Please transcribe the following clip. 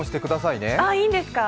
いいんですか？